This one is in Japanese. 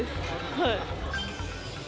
はい。